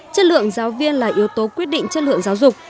chất lượng giáo viên là yếu tố quyết định chất lượng giáo dục